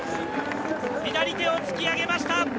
左手を突き上げました。